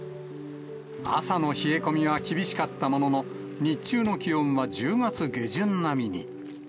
朝の冷え込みが厳しかったものの、日中の気温は１０月下旬並みに。